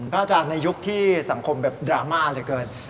อาจารย์ในยุคที่สังคมแบบดราม่าเหลือเกิน